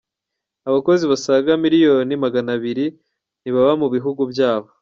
Abakozi basaga Miliyoni maganabiri ntibaba mu bihugu byabo